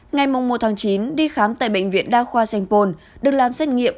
ngày mùng một tháng chín đi khám tại bệnh viện đa khoa sanh pôn được làm xét nghiệm